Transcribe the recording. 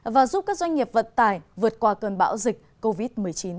và giúp các doanh nghiệp vận tải vượt qua cơn bão dịch covid một mươi chín